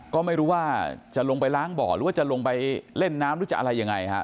ก็ไม่รู้ว่าจะลงไปล้างบ่อหรือว่าจะลงไปเล่นน้ำหรือจะอะไรยังไงฮะ